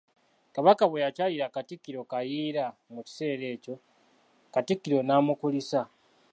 Kabaka bwe yakyalira Katikkiro Kayiira, mu kiseera ekyo, Katikkiro n'amukulisa.